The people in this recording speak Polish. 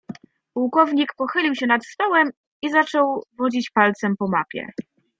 "Pułkownik pochylił się nad stołem i zaczął wodzić palcem po mapie."